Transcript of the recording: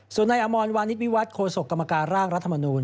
ส่วนในอมวานิดวิวัฒน์โฆษกรรมการร่างรัฐมนูน